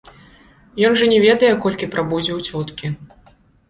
Ён жа не ведае, колькі прабудзе ў цёткі.